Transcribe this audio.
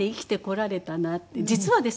実はですね